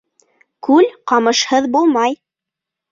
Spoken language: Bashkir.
Күл ҡамышһыҙ булмай